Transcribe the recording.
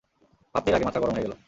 ভাবতেই রাগে মাথা গরম হয়ে গেল।